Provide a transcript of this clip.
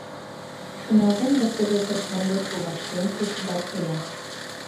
Шоналтем да кызытат могыр коваштем кушкедалт кая!